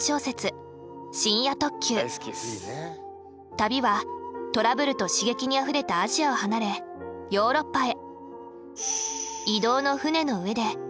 旅はトラブルと刺激にあふれたアジアを離れヨーロッパへ。